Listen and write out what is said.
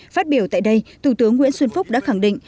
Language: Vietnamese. phát biểu tại đây thủ tướng nguyễn xuân phúc đã khẳng định